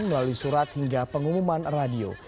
melalui surat hingga pengumuman radio